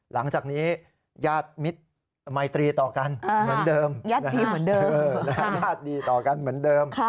หลังจากนี้ญาติมิตรมัยตรีต่อกันเหมือนเดิม